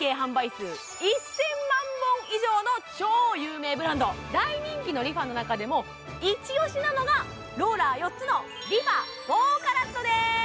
数１０００万本以上の超有名ブランド大人気のＲｅＦａのなかでもイチオシなのがローラー４つのＲｅＦａ４ＣＡＲＡＴです